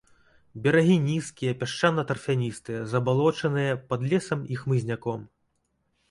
Берагі нізкія, пясчана-тарфяністыя, забалочаныя, пад лесам і хмызняком.